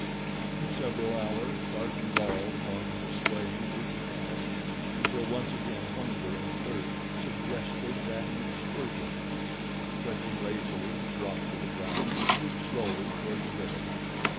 For several hours Tarzan lolled upon his swaying, leafy couch until once again hunger and thirst suggested an excursion. Stretching lazily he dropped to the ground and moved slowly toward the river.